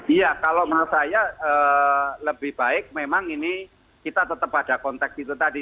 iya kalau menurut saya lebih baik memang ini kita tetap ada konteks itu tadi